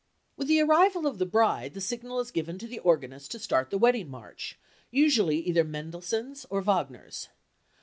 With the arrival of the bride, the signal is given to the organist to start the wedding march, usually either Mendelssohn's or Wagner's.